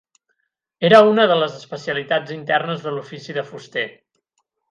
Era una de les especialitats internes de l'ofici de fuster.